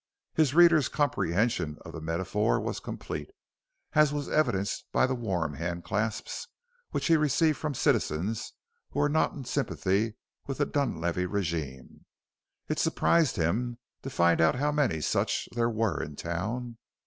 His readers' comprehension of the metaphor was complete as was evidenced by the warm hand clasps which he received from citizens who were not in sympathy with the Dunlavey regime. It surprised him to find how many such there were in town.